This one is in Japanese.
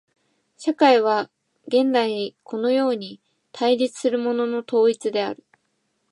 社会は元来このように対立するものの統一である。